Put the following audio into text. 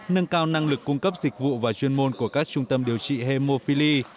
nâng cao năng lực cung cấp dịch vụ và chuyên môn của các trung tâm điều trị hemophili